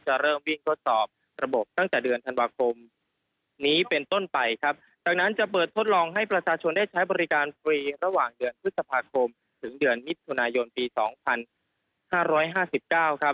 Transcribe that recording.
เริ่มวิ่งทดสอบระบบตั้งแต่เดือนธันวาคมนี้เป็นต้นไปครับจากนั้นจะเปิดทดลองให้ประชาชนได้ใช้บริการฟรีระหว่างเดือนพฤษภาคมถึงเดือนมิถุนายนปีสองพันห้าร้อยห้าสิบเก้าครับ